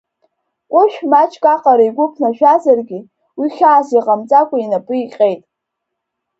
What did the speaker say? Кәышә маҷк аҟара игәы ԥнажәазаргьы, уи хьаас иҟамҵакәа инапы иҟьеит.